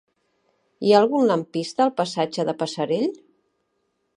Hi ha algun lampista al passatge del Passerell?